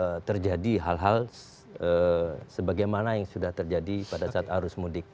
sehingga terjadi hal hal sebagaimana yang sudah terjadi pada saat arus mudik